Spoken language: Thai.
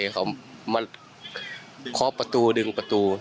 เขามาเคาะประตูดึงประตู